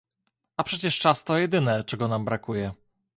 A przecież czas to jedyne, czego nam brakuje